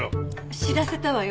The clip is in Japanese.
知らせたわよ。